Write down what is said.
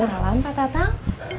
waalaikumsalam pak tatang